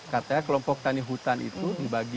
katanya kelompok tani hutan itu dibagi